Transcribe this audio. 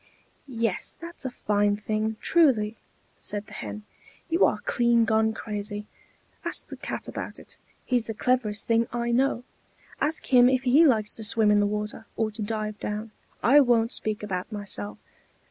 "Yes, that's a fine thing, truly," said the Hen. "You are clean gone crazy. Ask the Cat about it, he's the cleverest thing I know, ask him if he likes to swim in the water, or to dive down: I won't speak about myself.